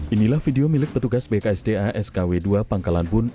inilah video milik petugas bksda skw dua pangkalan bun